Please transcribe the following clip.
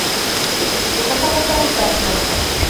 Instituto Salazar y Castro.